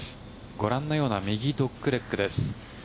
ご覧のような右ドッグレッグです。